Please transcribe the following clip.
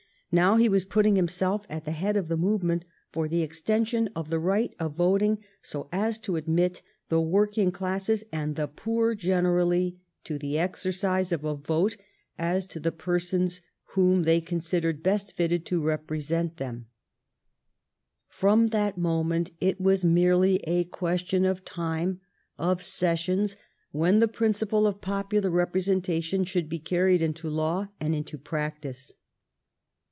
Now he was putting himself at the head of the movement for the extension of the right of voting so as to admit the working classes and the poor generally to the exercise of a vote as to the per sons whom they considered best fitted to represent 250 THE STORY OF GLADSTONE'S LIFE them. From that moment it was merely a question of time, of sessions, when the principle of popular representation should be carried into law and into practice.